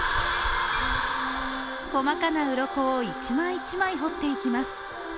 細かなうろこを一枚一枚彫っていきます。